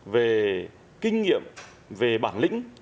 về kinh nghiệm về bản lĩnh